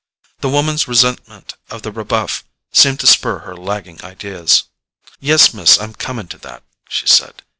The woman's resentment of the rebuff seemed to spur her lagging ideas. "Yes, Miss; I'm coming to that," she said.